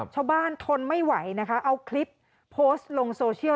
ทนไม่ไหวนะคะเอาคลิปโพสต์ลงโซเชียล